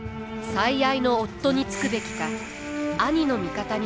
最愛の夫につくべきか兄の味方になるべきか。